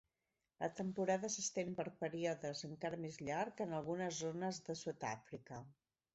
La temporada s'estén per períodes encara més llargs en algunes zones del sud d'Àfrica.